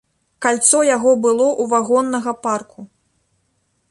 Кальцо яго было ў вагоннага парку.